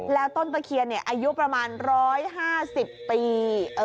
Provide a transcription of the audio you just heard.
แล้วต้นตะเคียนอายุประมาณ๑๕๐ปี